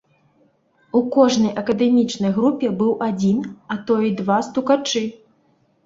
У кожнай акадэмічнай групе быў адзін, а тое і два стукачы.